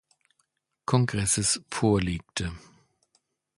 Kongresses vorlegte.